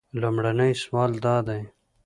لومړنی سوال دا دی.